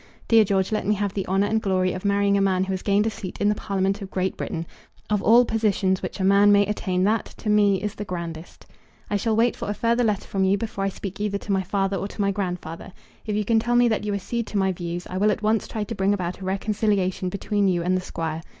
Dear George, let me have the honour and glory of marrying a man who has gained a seat in the Parliament of Great Britain! Of all positions which a man may attain that, to me, is the grandest. I shall wait for a further letter from you before I speak either to my father or to my grandfather. If you can tell me that you accede to my views, I will at once try to bring about a reconciliation between you and the Squire.